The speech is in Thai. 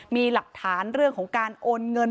มีหลักฐานเรื่องของการโอนเงิน